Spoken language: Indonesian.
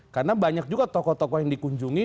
karena banyak juga tokoh tokoh yang dikunjungi